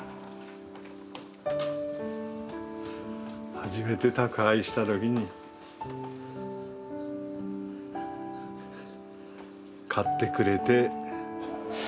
初めて宅配した時に買ってくれて。